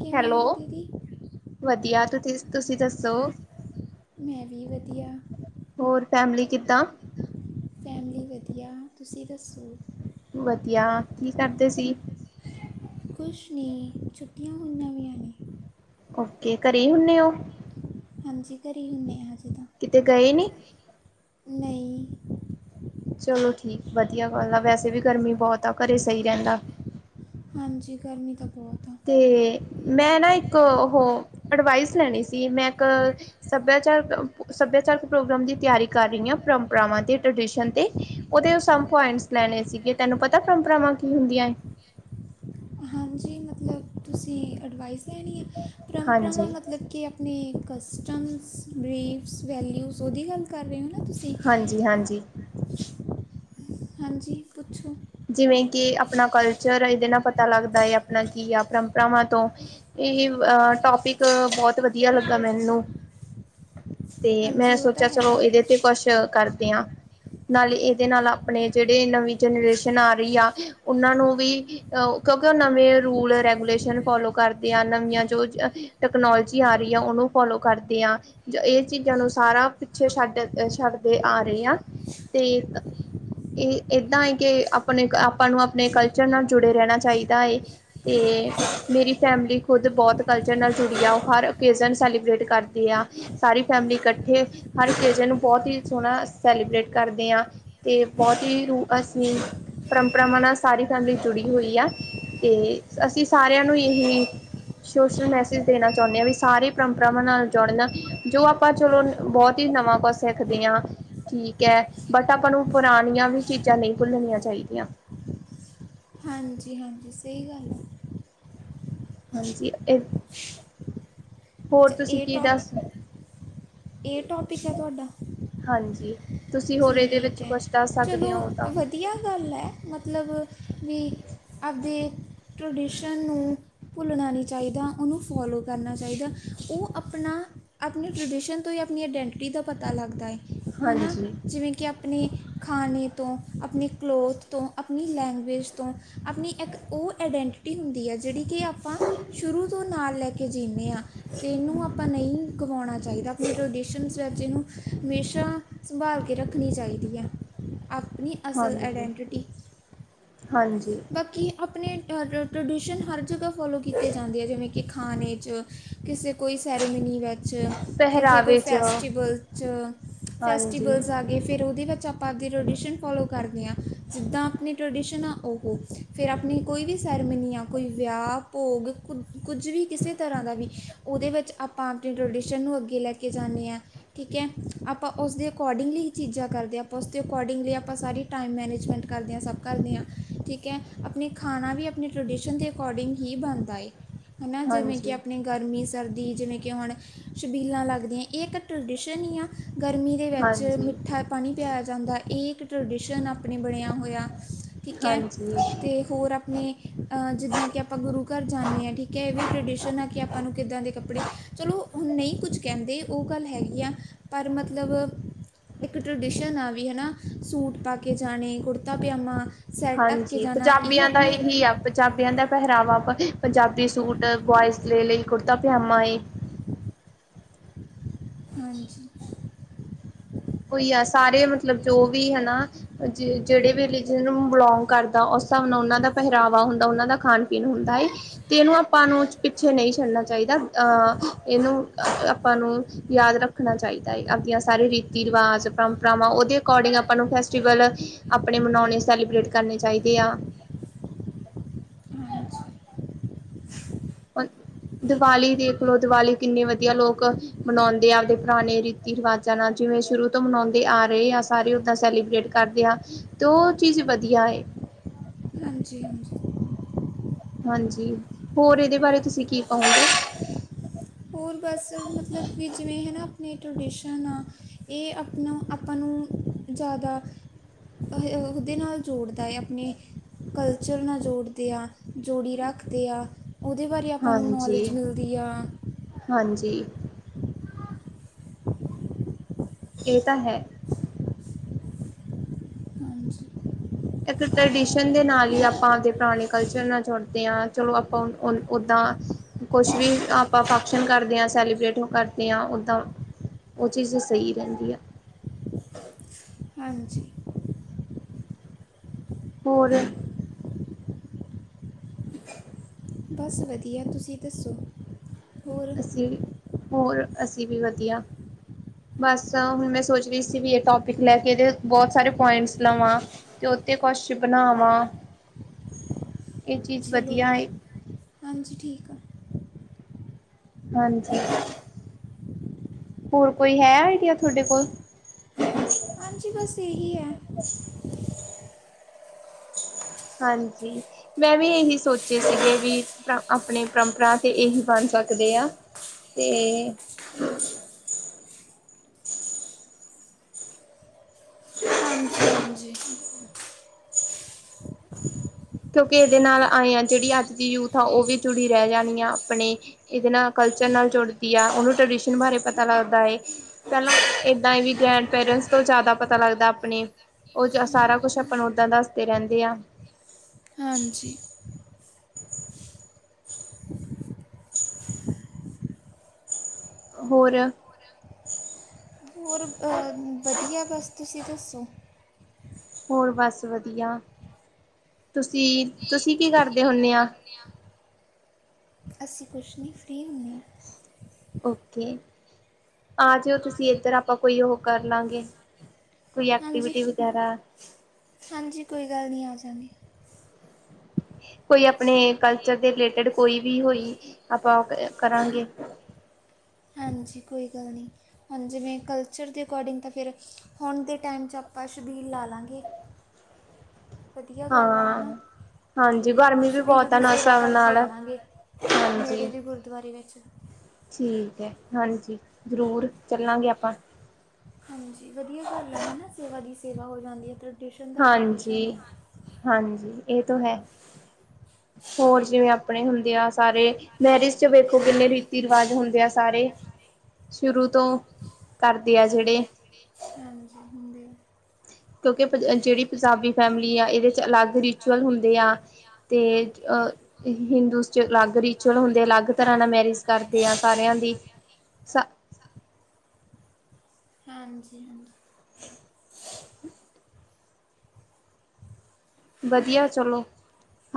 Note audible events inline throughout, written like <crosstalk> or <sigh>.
ਕਿਵੇਂ ਹੈਲੋ ਹੋ ਦੀਦੀ ਵਧੀਆ ਤੁਸੀਂ ਤੁਸੀਂ ਦੱਸੋ ਮੈਂ ਵੀ ਵਧੀਆ। ਹੋਰ ਫੈਮਲੀ ਕਿੱਦਾ? ਫੈਮਲੀ ਵਧੀਆ ਤੁਸੀਂ ਦੱਸੋ ਵਧੀਆ, ਕੀ ਕਰਦੇ ਸੀ? ਕੁਛ ਨੀ ਛੁੱਟੀਆਂ ਹੋਈਆਂ ਵੀਐ। ਓਕੇ, ਘਰੇ ਹੀ ਹੁੰਦੇ ਓ? ਹਾਂਜੀ, ਘਰੇ ਈ ਹੁੰਦੇ ਆ ਜੀ। ਕਿਤੇੇ ਗਏ ਨੀ? ਨਹੀਂ। ਚਲੋ ਠੀਕ ਵਧੀਆ ਗੱਲ ਆ, ਵੈਸੇ ਵੀ ਗਰਮੀ ਬੌਤ ਆ ਘਰੇ ਸਹੀ ਰੈੰਦਾ। ਹਾਂਜੀ, ਗਰਮੀ ਤਾ ਤੇ ਮੈਂ ਨਾ ਇੱਕ ਓਹ ਅਡਵਾਈਸ ਲੈਣੀ ਸੀ, ਮੈਂ ਇੱਕ ਸਭਿਆਚਾਰਕ ਸਭਿਆਚਾਰਕ ਪ੍ਰੋਗਰਾਮ ਦੀ ਤਿਆਰੀ ਕਰ ਰਈ ਆਂ। ਪਰੰਪਰਾਵਾਂ ਤੇ ਟ੍ਰੈਡੀਸਣ ਤੇ ਔਦੇ ਸਮ ਪੋਇੰਟਸ ਲੈਣੇ ਸੀਗੇ। ਤੈਨੂੰ ਪਤੈ, ਪਰੰਪਰਾਵਾਂ ਕੀ ਹੁੰਦੀਐ? ਐਂ। ਅ ਹਾਂ। ਜੀ ਮਤਲਬ ਤੁਸੀਂ ਐਡਵਾਈਸ ਲੈਣੀ ਐ, ਪਰੰਪਰਾਵਾਂ ਹਾਂਜੀ ਮਤਲਬ ਕਿ ਅਪਣੇ ਕਸਟਮਸ, ਬਰੀਫਸ, ਵੈਲਿਊਸ ਔਦੀ ਗੱਲ ਕਰ ਰੇ ਹੋ ਨਾ ਤੁਸੀਂ। ਹਾਂਜੀ ਹਾਂਜੀ ਹਾਂਜੀ, ਪੁੱਛੋ। ਜਿਵੇਂ ਕਿ ਆਪਣਾ ਕਲਚਰ ਇਦੇ ਨਾਲ ਪਤਾ ਲੱਗਦਾ ਏ ਅਪਣਾ ਕੀ ਆ ਪਰੰਪਰਾਵਾਂ ਤੋਂ। ਇਹ ਅ ਟੋਪਿਕ ਬੌਤ ਵਧੀਆ ਲੱਗਾ ਮੈਨੂੰ। ਤੇ ਮੈਂ ਹਾਂਜੀ ਉਹ ਤਾਂ ਸੋਚਿਆ ਹੈਗਾ ਚਲੋ ਇਹਦੇ ਤੇ ਕੋਛ ਕਰ ਤੇ ਹਾਂ, ਨਾਲੇ ਏਦੇ ਨਾਲ ਆਪਣੇ ਜੇੜੇ ਨਵੀਂ ਜੈਨਰੇਸ਼ ਤਨਾ ਰੀ ਆ ਉਨਾਂ ਨੂੰ ਵੀ ਅ ਕਿਉਂਕਿ ਔ ਨਵੇਂ ਰੂਲ ਰੈਗੂਲੇਸ਼ਨ ਫੋਲੋ ਕਰਦੇ ਆ। ਨਵੀਆਂ ਜੋ ਜ ਤਕਨੋਲੋਜੀ ਆ ਰੀ ਆ ਔਨੂੰ ਫੋਲੋ ਕਰਦੇ ਆ ਜੋ ਏ ਚੀਜ਼ਾਂ ਨੂੰ ਸਾਰਾ ਪਿੱਛੇ ਛੱਡ ਛੱਡਦੇ ਆ ਰਏ ਆ ਤੇ ਏਕ ਏਹ ਏਦਾਂ ਏ ਕੇ ਅਪ ਅਪਣੇ ਕ ਆਪਾਂ ਨੂੰ ਆਪਣੇ ਕਲਚਰ ਨਾਲ ਜੁੜੇ ਰੈਣਾ ਚਾਈਦਾ ਏ ਤੇ ਮੇਰੀ ਫੈਮਿਲੀ ਖੁਦ ਤੇ ਬੌਤ ਕਲਚਰ ਨਾਲ ਜੁੜੀ ਆ, ਔ ਹਰ ਔਕੇਜਨ ਸੈਲੀਬ੍ਰੇਟ ਕਰਦੀ ਆ ਸਾਰੀ ਫੈਮਲੀ ਇਕੱਠੇ ਹਰ ਹਰ ਔਕੇਜਨ ਨੂੰ ਬੌਤ ਈ ਸੋਣਾ ਸੈਲੀਬ੍ਰੇਟ ਕਰਦੇ ਆਂ ਤੇ ਬੌਤ ਹੀ ਰੂ ਅਸੀਂ ਪਰੰਪਰਾਵਾਂ ਨਾਲ ਸਾਰੀ ਫੈਮਲੀ ਜੁੜੀ ਹੋਈ ਆ, ਤੇ ਅਸੀਂ ਸਾਰਿਆਂ ਨੂੰ ਇਹੀ ਸੋਸ਼ਲ ਮੈਸੇਜ ਦੇਣਾ ਚੌਣੇ ਆਂ ਵਈ ਸਾਰੇ ਪਰੰਪਰਾਵਾਂ ਨਾਲ ਜੋੜੁਨ ਜੋ ਆਪਾਂ ਚਲੋ ਬੌਤ ਈ ਨਵਾਂ ਕੁਛ ਸਿੱਖਦੀ ਆਂ ਠੀਕ ਹੈ, ਬਟ ਆਪਾਂ ਨੂੰ ਪੁਰਾਣੀਆਂ ਵੀ ਚੀਜ਼ਾਂ ਨਹੀਂ ਭੁੱਲਣੀਆਂ ਚਾਹੀਦੀ। ਯਾਂ। ਹਾਂਜੀ ਹਾਂਜੀ, ਸਹੀ ਗੱਲ ਐ। ਹਾਂਜੀ ਏ ਹੋਰ ਅੱਛਾ ਤੁਸੀਂ ਇਹ ਕੀ ਦੱਸ--ਹਾਂਜੀ। ਟੌਪ ਇਹ ਟੌਪਿਕ ਹੈ ਤੁਹਾਡਾ ਠੀਕ ਹੈ, ਚਲੋ ਤਾਂ ਵਧੀਆ ਗੱਲ ਐ। ਮਤ ਮਤਲਬ ਵੀ ਆਪਦੇ ਟ੍ਰਡੀਸ਼ਨ ਨੂੰ ਭੁੱਲਣਾ ਨਹੀਂ ਚਾਈਦਾ, ਉਨੂੰ ਫੌਲੋ ਕਰਨਾ ਚਾਈਦੈ। ਉਹ ਅਪਣਾ ਅਪਣੀ ਟ੍ਰਡੀਸ਼ਨ ਤੋਂ ਹੀ ਅਪਣੀ ਐਡੈਂਟਿਟੀ ਦਾ ਪਤਾ ਲੱਗਦਾ ਏ। ਹਾਂਜੀ। ਜਿਵੇਂ ਕਿ ਆਪਣੇ ਖਾਣੇ ਤੋਂ, ਅਪਣੀ ਕਲੋਥ ਤੋਂ, ਅਪਣੀ ਲੈਂਗੁਏਜ ਤੋਂ, ਅਪਣੀ ਐਕ ਔਰ ਐਡੈਂਟ ਟੀ ਹੁੰਦੀ ਐ, ਜੇੜੀ ਕਿ ਆਪਾਂ ਸ਼ੁਰੂ ਤੋਂ ਨਾਲ ਲੈ ਕੇ ਜੀਣੇ ਆਂ। ਤੇ ਇਨੂੰ ਆਪਾਂ ਨਹੀਂ ਗਵਾਉਣਾ ਚਾਈਦਾ ਅਪਣੀ ਟ੍ਰੈਡੀਸ਼ਨਸ ਵੈਜੇ ਨੂੰ ਹਮੇਸ਼ਾ ਸੰਭਾਲ ਕੇ ਰੱਖਣੀ ਚਾਈਦੀ ਐ। ਆਪਣੀ ਅਸਲ ਹਾਂਜੀ ਐਡੰਟਿਟੀ ਹਾਂਜੀ। ਆਪਣੇ ਟ-ਟ-ਟ੍ਰਡੀਸ਼ਨ ਹਰ ਜਗ੍ਹਾ ਫੋਲੋ ਕੀਤੇ ਜਾਂਦੇ ਐ, ਜੈਵੇਂ ਕਿ ਖਾਣੇ 'ਚ ਕਿਸੇ ਕੋਈ ਸੈਰੇਮਨੀ ਵੈਚ ਕਿਸੇ ਕੋਈ ਪਹਿਰਾਵੇ 'ਚ ਫੈਸਟੀਵਲ 'ਚ। ਹਾਂਜੀ ਫੈਸਟੀਵਲਸ ਆਗੇ, ਫੇਰ ਓਹਦੇ ਵੇੱਚ ਆਪਾਂ ਆਗੇ ਟ੍ਰੈਡੀਸ਼ਨ ਫੋਲੋ ਕਰਦੇ ਆਂ, ਜਿੱਦਾਂ ਅਪਣੀ ਟ੍ਰੈਡੀਸ਼ਨ ਫਿਰ ਆਪਣੀ ਕੋਈ ਵੀ ਸੈਰੇਮਨੀ ਆ ਕੋਈ ਵਿਆਹ ਭੋਗ ਕੁ ਕੁੱਝ ਵੀ ਕਿਸੇ ਤਰ੍ਹਾਂ ਦਾ ਵੀ ਉਹਦੇ ਵਿੱਚ ਆਪਾਂ ਆਪਣੀ ਟਰਡੀਸ਼ਨ ਨੂੰ ਅੱਗੇ ਲੈ ਕੇ ਜਾਂਨੇ ਹਾਂ ਠੀਕ ਹੈ ਆਪਾਂ ਉਸਦੇ- ਅਕੋਡਿੰਗਲੀ ਚੀਜ਼ਾਂ ਕਰਦੇ ਹਾਂ ਆਪਾਂ ਉਸਦੇ ਅਕੋਡਿੰਗਲੀ ਆਪਾਂ ਸਾਰੀ ਟਾਈਮ ਮੈਨੇਜਮੈਂਟ ਕਰਦੇ ਹਾਂ ਸਭ ਕਰਦੇ ਹਾਂ ਠੀਕ ਹੈ ਆਪਣੇ ਖਾਣਾ ਵੀ ਆਪਣੇ ਟਰਡੀਸ਼ਨ ਦੇ ਅਕੋਰਡਿੰਗ ਹੀ ਬਣਦਾ ਏ ਹਨਾ ਜਿਵੇਂ ਕਿ ਹਾਂਜੀ ਆਪਣੀ ਗਰਮੀ ਸਰਦੀ ਜਿਵੇਂ ਕਿ ਹੁਣ ਛਬੀਲਾਂ ਲੱਗਰੀਆਂ ਇਹ ਇੱਕ ਟਰਡੀਸ਼ਨ ਹੀ ਆ ਗਰਮੀ ਦੇ ਵਿੱਚ ਹਾਂਜੀ ਮਿੱਠਾ ਪਾਣੀ ਪਿਆਇਆ ਜਾਂਦਾ ਇਹ ਇੱਕ ਟਰਡੀਸ਼ਨ ਆਪਣੇ ਬਣਿਆ ਹੋਇਆ ਠੀਕ ਹੈ ਹਾਂਜੀ ਤੇ ਹੋਰ ਆਪਣੇ ਜਿੱਦਾਂ ਕਿ ਆਪਾਂ ਗੁਰੂ ਘਰ ਜਾਂਦੇ ਹਾਂ ਠੀਕ ਹੈ ਵੀ ਟ੍ਰਡੀਸ਼ਨ ਆ ਕਿ ਆਪਾਂ ਨੂੰ ਕਿੱਦਾਂ ਦੇ ਕੱਪੜੇ ਚਲੋ ਹੁਣ ਨਹੀਂ ਕੁੱਝ ਕਹਿੰਦੇ ਉਹ ਗੱਲ ਹੈਗੀ ਆ ਪਰ ਮਤਲਬ ਇੱਕ ਟਰਡੀਸ਼ਨ ਆ ਵੀ ਹਨਾ ਸੂਟ ਪਾ ਕੇ ਜਾਣੇ ਕੁੜਤਾ ਪਯਾਮਾ ਹਾਂਜੀ ਪੰਜਾਬੀਆਂ ਦਾ ਇਹੀ ਆ ਪੰਜਾਬੀਆਂ ਦਾ ਪਹਿਰਾਵਾ ਪੰਜਾਬੀ ਸੂਟ ਬੋਇਂਸ ਲ ਲਈ ਕੁੜਤਾ ਪਜਾਮਾ ਏ ਹਾਂਜੀ ਹੋਈ ਆ ਸਾਰੇ ਮਤਲਬ ਜੋ ਵੀ ਹਨਾ ਜਿਹੜੇ ਵੀ ਰਲੀਜਨ ਨੂੰ ਬਿਲੋਂਗ ਕਰਦਾ ਉਹਨਾਂ ਦਾ ਪਹਿਰਾਵਾ ਹੁੰਦਾ ਉਹਨਾਂ ਦਾ ਖਾਣ ਪੀਣ ਹੁੰਦਾ ਏਂ ਤੇ ਇਹਨੂੰ ਆਪਾਂ ਨੂੰ ਪਿੱਛੇ ਨਹੀਂ ਛੱਡਨਾ ਚਾਹੀਦਾ ਾ ਅਹ ਇਹਨੂੰ ਆਪਾਂ ਨੂੰ ਯਾਦ ਰੱਖਣਾ ਚਾਹੀਦਾ ਏ ਆਪਦੀ ਸਾਰੀ ਰੀ ਰਿਵਾਜ਼ ਪਰੰਪਰਾਵਾਂ ਉਹਦੇ ਅਕੋਰਡਿੰਗ ਆਪਾਂ ਨੂੰ ਫੈਸਟੀਵਲ ਆਪਣੇ ਮਨਾਉਣੇ ਸੈਲੀਬ੍ਰੇਟ ਕਰਨੇ ਚਾਹੀਦੇ <inaudible> ਹਾਜੀਂ ਉਹ <inaudible> ਦੀਵਾਲੀ ਦੇਖ ਲੋ ਦੀਵਾਲੀ ਕਿੰਨੀ ਵਧੀਆ ਲੋਕ ਮਨਾਓਦੇ ਆ ਆਪਦੇ ਪੁਰਾਣੇ ਰੀਤੀ ਰਿਵਾਜ਼ਾਂ ਨਾਲ ਵੇਂ ਸ਼ੁਰੂ ਤੋਂ ਮਨਾਉਂਦੇ ਆ ਰਹੇ ਆ ਸਾਰੇ ਓਦਾਂ ਸੈਲੀਬ੍ਰੇਟ ਕਰਦੇ ਆ ਤੇ ਉਹ ਚੀਜ਼ ਵਧੀਆ ਏ <inaudible> ਹਾਂਜੀ, ਹਾਂਜੀ ਹਾਂਜੀ ਹੋਰ ਇਹਦੇ ਬਾਰੇ ਤੁਸੀਂ ਕੀ ਕਹੋਗੇ ਹੋਰ ਬਸ ਮਤਲਬ ਕਿ ਜਿਵੇਂ ਹੈ ਨਾ ਆਪਣੇ ਟਰਡੀਸ਼ਨ ਆ ਇਹ ਅਪਣਾ ਅਪਾਂ ਨੂੰ ਜ਼ਿਆਦਾ ਉਹਦੇ ਨਾਲ ਜੋੜਦਾ ਏ ਆਪਣੇ ਕਲਚਰ ਨਾਲ ਜੋੜਦੇ ਹਾਂ ਜੋੜੀ ਰੱਖਦੇ ਆ ਉਹਦੇ ਬਾਰੇ ਅਪਾਂ ਨੂੰ ਹਾਂਜੀ ਨੌਲੇਜ ਮਿਲਦੀ ਆ ਜੀ ਏ ਤਾ ਹੈ ਹਾਂਜੀ ਇੱਕ ਟ੍ਰਡੀਸ਼ਨ ਦੇ ਨਾਲ ਹੀ ਅਪਾਂ ਜਿੱਦਾ ਪੁਰਾਣੇ ਕਲਚਰ ਨਾਲ ਜੁੜਦੇ ਹਾਂ ਚਲੋ ਆਪਾਂ ਓਦਾਂ ਕੁਛ ਵੀ ਆਪਾਂ ਫੰਕਸ਼ਨ ਕਰਦੇ ਹਾਂ ਸੈਲੀਬ੍ਰੇਟ ਨੁ ਕਰਦੇ ਹਾਂ ਓਦਾਂ ਉਹ ਚੀਜ਼ ਸਹੀ ਰਹਿੰਦੀ ਆ ਹਾਂਜੀ- ਹੋਰ <inaudible> ਬਸ ਵਧੀਆ ਤੁਸੀਂ ਦੱਸੋ ਹੋਰ ਅਸੀਂ ਹੋਰ ਅਸੀਂ ਵੀ ਵਧੀਆ ਬਸ ਹੁਣੇ ਸੋਚ ਰਹੀ ਸੀ ਵੀ ਇਹ ਟੋਪਿਕ ਲੈ ਕੇ ਇਹਦੇ ਬਹੁਤ ਸਾਰੇ ਪੁਆਟਿਂਸ ਲਵਾਂ ਤੇ ਤੇ ਕੁਛ ਬਣਾਵਾਂ ਐ ਚੀਜ਼ ਚਲੋ ਵਧੀਆ ਏ ਹਾਂਜੀ ਠੀਕ ਆ ਹਾਂਜੀ <inaudible> ਹੋਰ ਕੋਈ ਹੈ ਆਈਡੀਆ ਤੁਹਾਡੇ ਕੋਲ ਹਾਂਜੀ ਬਸ ਇਹੀ ਹੈ ਹਾਂਜੀ ਮੈਂ ਵੀ ਇਹੀ ਸੋਚੇ ਸੀਗੇ ਵੀ ਆਪਣੇ ਪਰੰਪਰਾ ਤੇ ਇਹੀ ਬਣ ਸਕਦੇ ਆ ਤੇ ਹਾਂਜੀ, ਹਾਂਜੀ ਕਿਉਂਕਿ ਇਹਦੇ ਨਾਲ ਆਏ ਆ ਜਿਹੜੀ ਅੱਜ ਦੀ ਯੂਥ ਆ ਉਹ ਵੀ ਜੁੜੀ ਰਹਿ ਜਾਣੀ ਆ ਆਪਣੇ ਇਹਦੇ ਨਾਲ ਕਲਚਰ ਨਾਲ ਜੁੜਦੀ ਆ ਉਹਨੂੰ ਟਰਡੀਸ਼ਨ ਬਾਰੇ ਪਤਾ ਲੱਗਦਾ ਏ ਪਹਿਲਾਂ ਦਾਂ ਹੀ ਵੀ ਗ੍ਰੈਂਡ ਪੇਰੈਂਟਸ ਸਭ ਤੋਂ ਜ਼ਿਆਦਾ ਪਤਾ ਲੱਗਦਾ ਆਪਣੇ ਉਹ ਸਾਰਾ ਕੁਛ ਆਪਾਂ ਨੂੰ ਦੱਸਦੀ ਰਹਿੰਦੇ ਆ ਹਾਂਜੀ ਹੋਰ ਹੋਰ ਵਧੀਆ ਬਸ ਤੁਸੀਂ ਦੱਸੋ ਹੋਰ ਬਸ ਵਧੀਆ ਤੁਸੀਂ ਤੁਸੀਂ ਕੀ ਕਰਦੇ ਹੁੰਦੇ ਆ ਅਸੀਂ ਕੁਛ ਨਹੀਂ ਫ੍ਰੀ ਹੁੰਦੇ ਹਾਂ ਓਕੇ ਆ ਜਾਇਓ ਤੁਸੀਂ ਏਧਰ ਆਪਾਂ ਕੋਈ ਉਹ ਕਰ ਲਾਂਗੇ ਕੋਈ ਹਾਂਜੀ ਐਕਟੀਵਿਟੀ ਵਗੈਰਾ ਹਾਂਜੀ ਕੋਈ ਗੱਲ ਨਹੀਂ ਆ ਜਾਂਗੇ <unintelligible> <inaudible> ਕੋਈ ਆਪਣੇ ਕਲਚਰ ਦੇ ਰਿਲੇਟਿਡ ਕੋਈ ਵੀ ਹੋਈ ਆਪਾਂ ਕਰਾਂਗੇ ਹਾਂਜੀ ਕੋਈ ਗੱਲ ਨਹੀਂ ਹਾਂ ਜਿਵੇਂ ਕਲਚਰ ਦੇ ਅਕੋਡਿੰਗ ਤਾਂ ਫਿਰ ਹੁਣ ਦੇ ਟਾਈਮ 'ਚ ਆਪਾਂ ਚਬੀਲ ਲਾ ਲਾਂਗੇ <inaudible> ਵਧੀਆ ਗੱਲ ਆ ਹੈ ਹਾਂ ਨਾ ਹਾਂਜੀ ਅਤੇ ਗਰਮੀ ਵੀ ਸ਼ਬੀਲ ਬਹੁਤ ਆ ਦੀ ਨਾ ਸੇਵਾ ਹਿਸਾਬ ਕਰਕੇ ਨਾਲ ਆਵਾਂਗੇ ਨੇੜੇ ਹਾਂਜੀ ਦੇ ਗੁਰਦੁਆਰੇ ਵਿੱਚ ਠੀਕ ਹੈ ਹਾਂਜੀ ਜ਼ਰੂਰ ਚੱਲਾਂਗੇ ਆਪਾਂ ਹਾਂਜੀ ਵਧੀਆ ਗੱਲ ਹੈ ਹੈ ਨਾ ਸੇਵਾ ਦੀ ਸੇਵਾ ਹੋ ਜਾਂਦੀ ਹੈ ਇੱਧਰ ਹਾਂਜੀ ਹਾਂਜੀ ਇਹ ਤੋਂ ਹੈ ਹੋਰ ਜਿਵੇਂ ਆਪਣੇ ਹੁੰਦੇ ਆ ਸਾਰੇ ਮੈਰਿਜ ਚ ਵੇਖੋ ਕਿੰਨੇ ਰੀਤੀ ਰਿਵਾਜ਼ ਹੁੰਦੇ ਆ ਸਾਰੇ ਸ਼ੁਰੂ ਤੋਂ ਕਰਦੇ ਆ ਜਿਹੜੇ ਹਾਂਜੀ ਹੁੰਦੇ ਆ। ਕਿਉਂਕਿ ਜਿਹੜੀ ਪੰਜਾਬੀ ਫੈਮਿਲੀ ਆ ਇਹਦੇ ਚ ਅਲੱਗ ਰਿਚੁਲ ਹੁੰਦੇ ਆ ਤੇ ਅਹ ਹਿੰਦੂਸ ਚ ਅਲੱਗ ਰਿਚੁਅਲ ਹੁੰਦੇ ਅਲੱਗ ਤਰ੍ਹਾਂ ਨਾਲ ਮੈਰਿਜ ਕਰਦੇ ਆ ਸਾਰਿਆਂ ਦੀ <inaudible> ਹਾਂਜੀ ਹਾਂਜੀ ਵਧੀਆ ਚਲੋ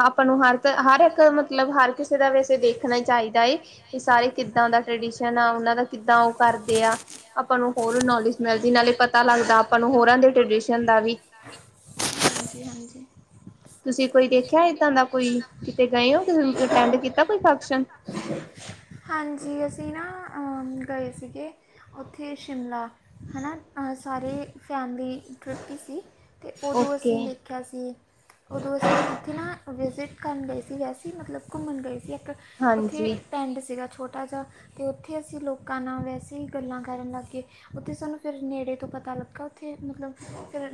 ਆਪਾਂ ਨੂੰ ਹਰ ਹਰ ਇੱਕ ਮਤਲਬ ਹਰ ਕਿਸੇ ਦਾ ਵੈਸੇ ਦੇਖਣਾ ਚਾਹੀਦਾ ਹੈ ਵੀ ਸਾਰੇ ਕਿੱਦਾਂ ਦਾ ਟਡੀ ਆ ਉਹਨਾਂ ਦਾ ਕਿੱਦਾਂ ਉਹ ਕਰਦੇ ਆ ਆਪਾਂ ਨੂੰ ਹੋਰ ਨੌਲੇਜ ਮਿਲਦੀ ਇਹ ਨਾਲੇ ਪਤਾ ਲੱਗਦਾ ਆਪਾਂ ਨੂੰ ਹੋਰਾਂ ਦੇ ਟ੍ਰਡੀਸ਼ਨ ਦਾ ਵੀ ਹਾਂਜੀ ਹਾਂਜੀ ਹਾਂਜੀ ਤੁਸੀਂ ਕੋਈ ਦੇਖਿਆ ਏਦਾਂ ਦਾ ਕੋਈ ਕਿਤੇ ਗਏ ਹੋ ਅਟੈਂਡ ਕੀਤਾ ਕੋਈ ਫੰਕਸ਼ਨ ਹਾਂਜੀ ਅਸੀਂ ਨਾ ਗਏ ਸੀਗੇ ਉੱਥੇ ਸ਼ਿਮਲਾ ਹੈ ਨਾ ਸਾਰੇ ਫੈਮਲੀ ਟਰੁਪੀ ਸੀ ਅਤੇ ਉਦੋਂ ਓਕੇ। ਅਸੀਂ ਦੇਖਿਆ ਸੀ ਉਦੋਂ ਅਸੀਂ ਉੱਥੇ ਨਾ ਵਿਜ਼ਿਟ ਕਰਨ ਗਏ ਸੀ ਵੈਸੇ ਮਤਲਬ ਘੁੰਮਣ ਗਏ ਸੀ ਇੱਕ ਉੱਥੇ ਹਾਂਜੀ, ਟੈਂਡ ਸੀਗਾ ਛੋਟਾ ਜਿਹਾ ਅਤੇ ਉੱਥੇ ਅਸੀਂ ਲੋਕਾਂ ਨਾਲ ਵੈਸੇ ਹੀ ਗੱਲਾਂ ਕਰਨ ਲੱਗ ਗਏ ਉੱਥੇ ਸਾਨੂੰ ਫਿਰ ਨੇੜੇ ਤੋਂ ਪਤਾ ਲੱਗਗਾ ਉੱਥੇ ਮਤਲਬ ਫਿਰ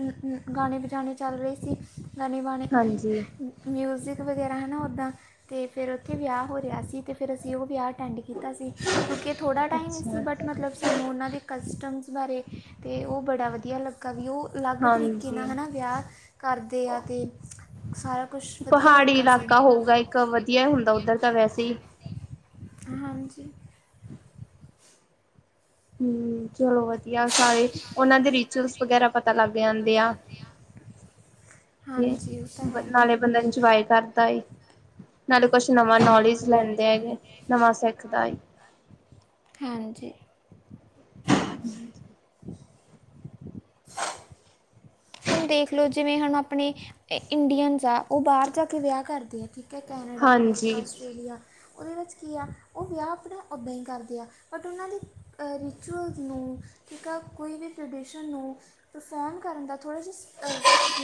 ਗਾਣੇ ਵਜਾਣੇ ਚੱਲ ਰਹੇ ਸੀ। ਗਣੇ ਮਣੀ ਹਾਂਜੀ, ਮਿਊਜ਼ਿਕ ਵਗੈਰਾ ਹੈ ਨਾ ਉੱਦਾਂ ਤੇ ਫਿਰ ਉੱਥੇ ਵਿਆਹ ਹੋ ਰਿਹਾ ਸੀ ਤੇ ਫਿਰ ਅਸੀਂ ਉਹ ਵਿਆਹ ਅਟੈਂਡ ਕੀਤਾ ਸੀ ਕਿਉਂਕਿ ਥੋੜ੍ਹਾ ਟਾਈਮ ਨਹੀਂ ਸੀ ਅੱਛਾ, ਬਟ ਮਤਲਬ ਸਾਨੂੰ ਉਹਨਾਂ ਦੇ ਕਸਟਮਸ ਬਾਰੇ ਅਤੇ ਉਹ ਬੜਾ ਵਧੀਆ ਲੱਗਾ ਵੀ ਉਹ ਅਲੱਗ ਤਰੀਕੇ ਹਾਂਜੀ। ਨਾਲ ਹੈ ਨਾ ਵਿਆਹ ਕਰਦੇ ਆ ਅਤੇ ਪਹਾੜੀ ਇਲਾਕਾ ਹੋਊਗਾ ਇੱਕ ਵਧੀਆ ਹੁੰਦਾ ਉੱਧਰ ਤਾਂ ਵੈਸੇ ਹੀ ਹਾਂਜੀ ਹਮ ਚਲੋ ਵਧੀਆ ਸਾਰੇ ਉਹਨਾਂ ਦੇ ਰਿਚੁਅਲਸ ਵਗੈਰਾ ਪਤਾ ਲੱਗ ਜਾਂਦੇ ਆ। ਤੇ ਹਾਂਜੀ ਉਹ ਤਾਂ ਹੈ ਨਾਲੇ ਬੰਦਾ ਇੰਜੋਏ ਕਰਦਾ ਨਾਲੇ ਕੁਛ ਨਵਾਂ ਨੌਲੇਜ ਲੈਂਦੇ ਹੈਗੇ ਨਵਾਂ ਸਿੱਖਦਾ ਏ। ਹਾਂਜੀ ਹੁਣ ਦੇਖ ਲਓ ਜਿਵੇਂ ਹੁਣ ਆਪਣੇ ਇੰਡੀਅਨਸ ਆ ਉਹ ਬਾਹਰ ਜਾ ਕੇ ਵਿਆਹ ਕਰਦੇ ਆ। ਕ ਕੈਨੇਡਾ ਅਮਰੀਕਾ ਹਾਂਜੀ, ਆਸਟੇਲੀਆ ਉਹਦੇ ਵਿੱਚ ਕੀ ਆ ਉਹ ਵਿਆਹ ਆਪਣਾ ਉਦਾਂ ਹੀ ਕਰਦੇ ਆ ਬਟ ਉਹਨਾਂ ਦੀ ਰਿਚੁਅਲ ਨੂੰ ਠੀਕ ਹੈ ਕੋਈ ਵੀ ਟ੍ਰਡੀਸ਼ਨ ਨੂੰ ਪਰਫੋਰਮ ਕਰਨ ਦਾ ਥੋੜ੍ਹਾ ਜਿਹਾ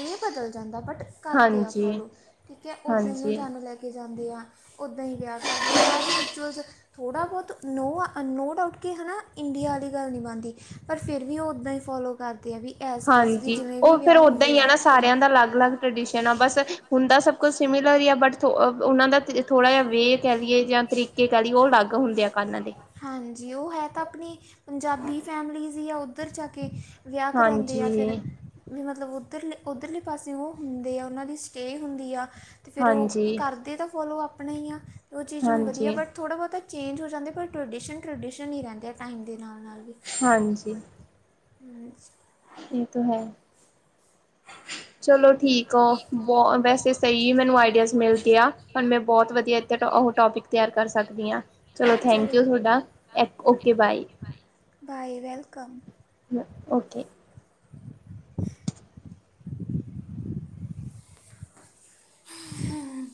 ਨਹੀਂ ਬਦਲ ਜਾਂਦਾ ਬਟ ਕਰਦੇ ਆ ਹਾਂਜੀ, ਫੋਲੋ ਠੀਕ ਹੈ ਉੱਦਾਂ ਹੀ ਉਹ ਜ ਹਾਂਜੀ। ਜੰਜ ਲੈ ਕੇ ਜਾਂਦੇ ਆ ਉੱਦਾਂ ਹੀ ਵਿਆਹ ਕਰਦੇ ਆ। ਰਿਚੂਅਲਸ ਥੋੜ੍ਹਾ ਬਹੁਤ ਨੋ ਨੋ ਡਾਊਟ ਕਿ ਹੈ ਨਾ ਇੰਡੀਆ ਵਾਲੀ ਗੱਲ ਨਹੀਂ ਬਣਦੀ ਪਰ ਫਿਰ ਵੀ ਉਹ ਉੱਦਾਂ ਹੀ ਫ ਫੋਲੋ ਕਰਦੇ ਹਾਂ ਵੀ ਇਸ ਚੀਜ਼ <unintelligible> ਉਹ ਫੇਰ ਉਓਦਾਂ ਹੀ ਆ ਨਾ ਸਾਰਿਆਂ ਦਾ ਅਲੱਗ ਅਲੱਗ ਟਰਡੀਸ਼ਨ ਆ ਬਸ ਹੁੰਦਾ ਸਭ ਕੁਛ ਸਿਮਲਰ ਹੀ ਆ ਬਟ ਉਹਨਾਂ ਦਾ ਥੋੜਾ ਜਿਹਾ ਵੇ ਕਹਿ ਲਈਏ ਜਾਂ ਤਰੀਕੇ ਕਹਿ ਲਈਏ ਬ ਅਲੱਗ ਹੁੰਦੇ ਆ ਕੰਨਾਂ ਦੇ ਹਾਂਜੀ ਉਹ ਹੈ ਤਾਂ ਆਪਣੀ ਪੰਜਾਬੀ ਫੈਮਲੀਜ਼ ਹੀ ਆ ਉੱਧਰ ਜਾ ਕੇ ਵਿਆਹ ਕਰਵਾਉਂਦੀ ਆ ਫਿਰ ਹਾਂਜੀ, ਵੀ ਮਤਲਬ ਮਤਲਬ ਉੱਧਰਲੇ ਉੱਧਰਲੇ ਪਾਸੇ ਉਹ ਹੁੰਦੇ ਆ ਉਹਨਾਂ ਦੀ ਸਟੇਅ ਹੁੰਦੀ ਆ। ਤੇ ਫਿਰ ਉਹ ਹਾਂਜੀ, ਕਰਦੇ ਤਾਂ ਫੋਲੋ ਆਪਣੇ ਹੀ ਆ ਉਹ ਚੀਜ਼ ਨੂੰ ਵਧੀਆ ਹਾਂਜੀ, ਬਟ ਥੋੜ੍ਹਾ ਬਹੁਤਾ ਚੇਂਜ ਹੋ ਜਾਂਦੇ ਪਰ ਟਰਡੀਸ਼ਨ ਟਰਡੀਸ਼ਨ ਹੀ ਰਹਿੰਦੇ ਆ ਟਾਈਮ ਦੇ ਨਾਲ ਨਾਲ ਵੀ ਹਾਂਜੀ ਹਮ ਇਹ ਤਾਂ ਹੈ ਚਲੋ ਠੀਕ ਆ ਬਹੁ ਵੈਸੇ ਸਹੀ ਮੈਨੂੰ ਆਈਡੀਆਜ਼ ਮਿਲ ਗ ਆ ਹੁਣ ਮੈਂ ਬਹੁਤ ਵਧੀਆ। ਉਹ ਟੋਪਿਕ ਤਿਆਰ ਕਰ ਸਕਦੀ ਹਾਂ ਚਲੋ ਥੈਂਕ ਯੂ ਤੁਹਾਡਾ okay bye. Bye welcome okay ਹਮ